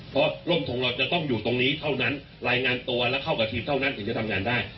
เพราะร่มทงเราจะต้องอยู่ตรงนี้เท่านั้นรายงานตัวและเข้ากับทีมเท่านั้นถึงจะทำงานได้